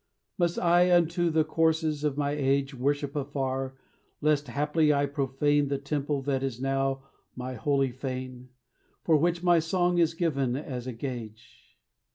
Must I unto the courses of my age Worship afar, lest haply I profane The temple that is now my holy fane, For which my song is given as a gage?